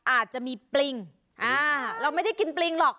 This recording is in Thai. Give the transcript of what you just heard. อาจจะมีปริงเราไม่ได้กินปริงหรอก